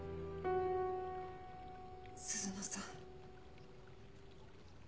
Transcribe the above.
鈴乃さん。